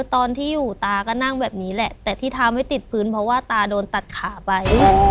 ตอนที่อยู่ตาก็นั่งแบบนี้แหละแต่ที่เท้าไม่ติดพื้นเพราะว่าตาโดนตัดขาไป